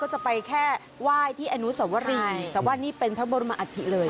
จะไปแค่ไหว้ที่อนุสวรีแต่ว่านี่เป็นพระบรมอัฐิเลย